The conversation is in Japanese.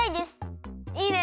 いいね！